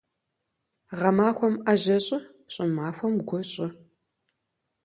Гъэмахуэм Ӏэжьэ щӀы, щӀымахуэм гу щӀы.